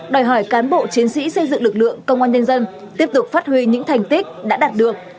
đòi hỏi cán bộ chiến sĩ xây dựng lực lượng công an nhân dân tiếp tục phát huy những thành tích đã đạt được